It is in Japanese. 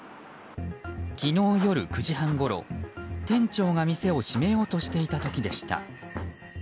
昨日夜９時半ごろ、店長が店を閉めようとしていた時でした。